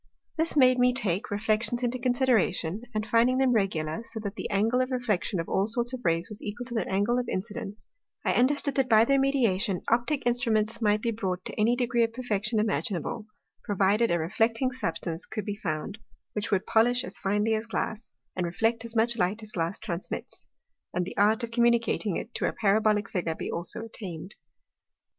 This made me take Reflections into Consideration, and finding them regular, so that the Angle of Reflection of all sorts of Rays was equal to their Angle of Incidence; I understood, that by their mediation, Optick Instruments might be brought to any degree of Perfection imaginable, provided a Reflecting Substance could be found, which would polish as finely as Glass, and reflect as much Light as Glass transmits; and the art of communicating to it a Parabolick Figure be also attain'd.